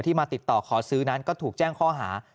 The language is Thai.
มาติดต่อขอซื้อนั้นก็ถูกแจ้งข้อหา